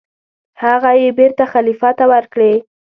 هغه یې بېرته خلیفه ته ورکړې.